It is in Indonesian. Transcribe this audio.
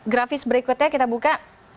grafis berikutnya kita buka